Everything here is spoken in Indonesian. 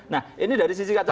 nah ini dari sisi kata